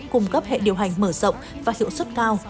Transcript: cung cấp hệ điều hành mở rộng và hiệu suất cao